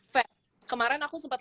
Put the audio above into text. faye kemarin aku sempat